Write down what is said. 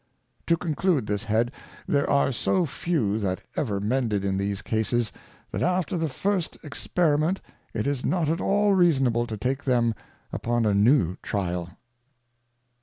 To conclude this Head, There are so few that ever mended in these Cases, that after the first Experiment it is not at all reasonable to take them upon a new Tryal.